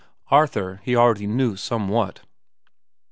Arthur he already knew somewhat.